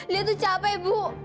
lia tuh capek ibu